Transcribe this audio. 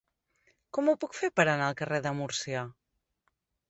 Com ho puc fer per anar al carrer de Múrcia?